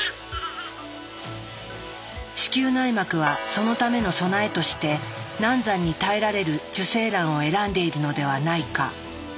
子宮内膜はそのための備えとして難産に耐えられる受精卵を選んでいるのではないか？